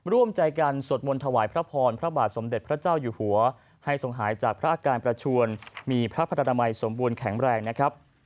ร่วมใจกันสวดมนต์ถวายพระพรพระบาทสมเด็จพระเจ้าอยู่หัวให้ทรงหายจากพระอาการประชวนมีพระพระนามัยสมบูรณแข็งแรงนะครับ